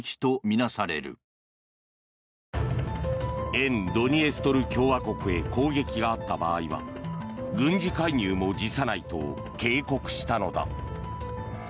沿ドニエストル共和国へ攻撃があった場合は軍事介入も辞さないと警告したのだ。